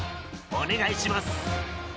お願いします。